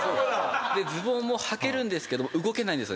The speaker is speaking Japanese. ズボンもはけるんですけど動けないんですよ。